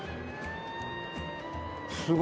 すごい。